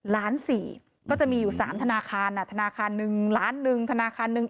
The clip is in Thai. ล้านสี่ก็จะมีอยู่๓ธนาคารธนาคารหนึ่งล้านหนึ่งธนาคารหนึ่ง